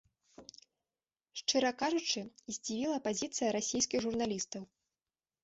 Шчыра кажучы, здзівіла пазіцыя расійскіх журналістаў.